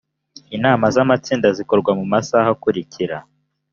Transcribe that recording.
inama z amatsinda zikorwa mu masaha akurikira